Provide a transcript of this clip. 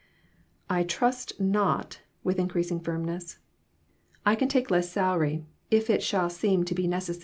"I trust not," with increasing firmness; "I can take less salary if it shall seem to be neces MORAL EVOLUTION.